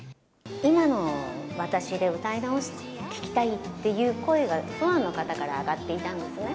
今の私で歌い直して聴きたいっていう声が、ファンの方から挙がっていたんですね。